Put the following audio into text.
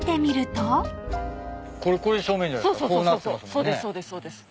そうですそうです。